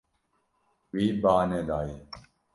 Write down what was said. Wî ba nedaye.